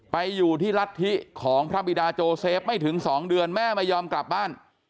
ไปอยู่ที่รัฐธิของพระบิดาโจเซฟไม่ถึง๒เดือนแม่ไม่ยอมกลับบ้าน